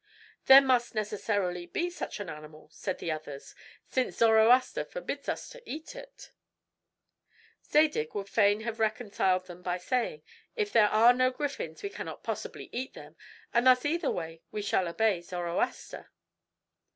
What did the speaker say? "There must necessarily be such an animal," said the others, "since Zoroaster forbids us to eat it." Zadig would fain have reconciled them by saying, "If there are no griffins, we cannot possibly eat them; and thus either way we shall obey Zoroaster."